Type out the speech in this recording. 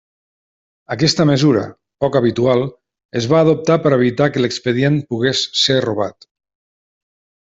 Aquesta mesura, poc habitual, es va adoptar per evitar que l'expedient pogués ser robat.